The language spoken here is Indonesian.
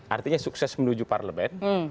artinya sukses menuju parlemen